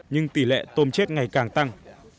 nhưng tỷ lệ tôm chết ngày càng tăng